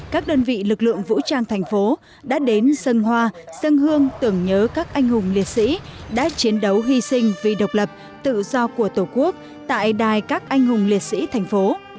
các đơn vị lực lượng vũ trang thành phố đã đến sân hoa sân hương tưởng nhớ các anh hùng liệt sĩ đã chiến đấu hy sinh vì độc lập tự do của tổ quốc tại đài các anh hùng liệt sĩ thành phố